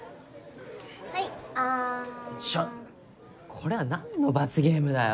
これは何の罰ゲームだよ。